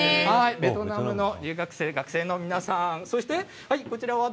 ベトナムの留学生、学生の皆さん。